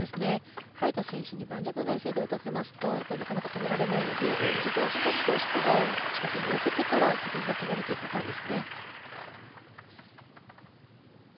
早田選手に盤石の体勢で打たれますとなかなか、止められないので一度、ストップして台の近くに寄せてから自分が攻めるというパターンです。